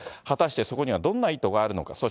果たして、そこにはどんな意図があるのか。